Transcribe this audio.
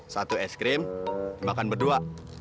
satu es krim dimakan berdua